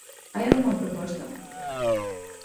¿Hai algunha proposta?